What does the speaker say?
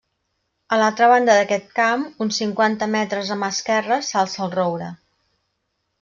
A l'altra banda d'aquest camp, uns cinquanta metres a mà esquerra, s'alça el roure.